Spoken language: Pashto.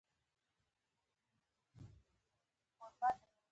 قدرت د شرابو پياله ده.